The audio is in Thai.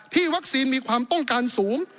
วัคซีนมีความต้องการสูง